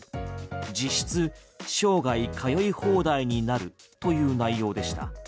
実質、生涯通い放題になるという内容でした。